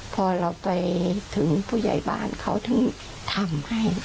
พอเราไปถึงผู้ใหญ่บ้านเขาถึงทำให้